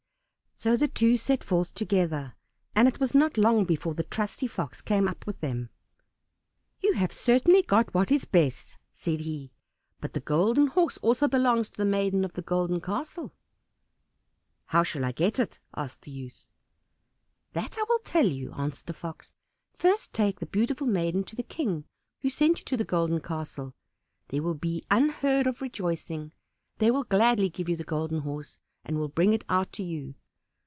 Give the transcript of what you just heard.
So the two set forth together, and it was not long before the trusty Fox came up with them. "You have certainly got what is best," said he, "but the Golden Horse also belongs to the maiden of the Golden Castle." "How shall I get it?" asked the youth. "That I will tell you," answered the Fox; "first take the beautiful maiden to the King who sent you to the Golden Castle. There will be unheard of rejoicing; they will gladly give you the Golden Horse, and will bring it out to you.